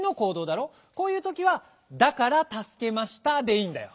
こういうときは「『だから』たすけました」でいいんだよ。